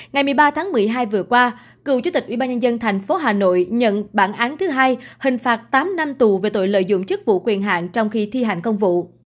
ngày một mươi ba tháng một mươi hai vừa qua cựu chủ tịch ubnd tp hà nội nhận bản án thứ hai hình phạt tám năm tù về tội lợi dụng chức vụ quyền hạn trong khi thi hành công vụ